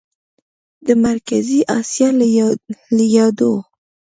د مرکزي اسیا له یادو